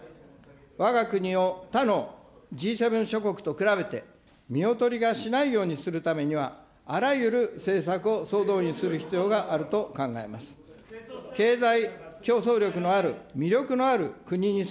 わが国を他のＧ７諸国と比べて、見劣りがしないようにするためには、あらゆる政策を総動員する必要があると考えます。